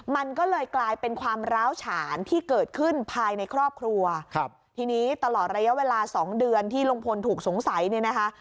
มันก็เลยกลายเป็นความร้าวฉานที่เกิดขึ้นภายในครอบครัวครับทีนี้ตลอดระยะเวลาสองเดือนที่ลุงพลถูกสงสัยเนี่ยนะคะ